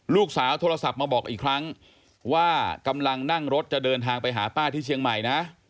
ลูกสาวโทรศัพท์มาบอกอีกครั้งว่ากำลังนั่งรถจะเดินทางไปหาป้าที่เชียงใหม่นะ